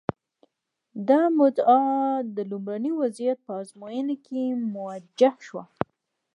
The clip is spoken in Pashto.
دا مدعا د لومړني وضعیت په ازموینو کې موجه شوه.